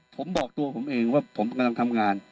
ผมบอกตัวผมเองว่าผมกำลังทำงาน